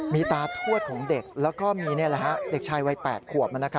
มีตาถวดของเด็กละครับและมีเด็กชายวัย๘ขวบ